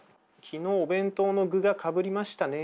「昨日お弁当の具がかぶりましたね」